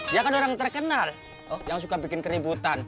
yang terkenal yang suka bikin keributan